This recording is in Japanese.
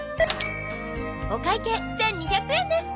お会計１２００円です。